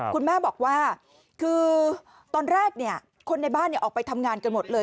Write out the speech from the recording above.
คุณแม่บอกว่าคือตอนแรกคนในบ้านออกไปทำงานกันหมดเลย